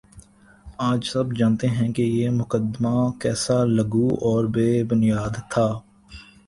آج سب جانتے ہیں کہ یہ مقدمہ کیسا لغو اور بے بنیادتھا